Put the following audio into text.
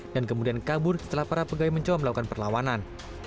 dan kemudian kabur setelah para pegawai mencoba melakukan perlawanan